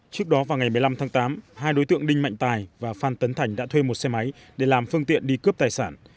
trước đó vào ngày một mươi năm tháng tám hai đối tượng đinh mạnh tài và phan tấn thành đã thuê một xe máy để làm phương tiện đi cướp tài sản